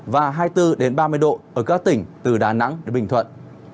và hai mươi bốn ba mươi độ ở các tỉnh từ đà nẵng đến bình thuận